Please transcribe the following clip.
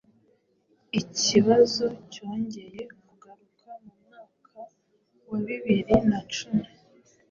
ikibazo cyongeye kugaruka mu mwaka w’bibiri na cumi